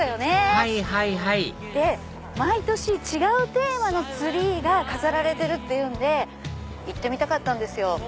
はいはいはい毎年違うテーマのツリーが飾られてるっていうんで行ってみたかったんですよ。